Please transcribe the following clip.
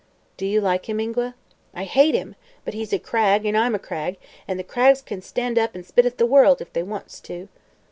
"Do you like him, Ingua?" "I hate him! But he's a Cragg, an' I'm a Cragg, an' the Craggs kin stand up an' spit at the world, if they wants to."